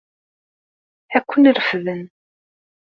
Ad ken-refden.